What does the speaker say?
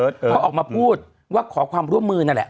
เขาออกมาพูดว่าขอความร่วมมือนั่นแหละ